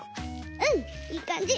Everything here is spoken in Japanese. うんいいかんじ！